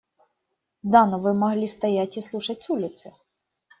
Да, но вы могли стоять и слушать с улицы.